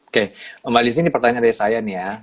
oke kembali disini pertanyaan dari saya nih ya